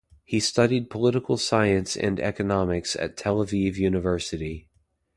He studied Political Science and Economics at Tel Aviv University.